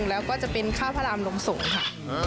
แล้วก็จะเป็นข้าวพระรามลงสงฆ์ค่ะ